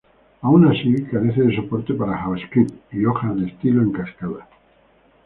Aun así, carece de soporte para JavaScript y hojas de estilo en cascada.